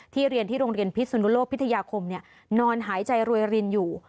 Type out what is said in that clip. เรียนที่โรงเรียนพิสุนุโลกพิทยาคมนอนหายใจรวยรินอยู่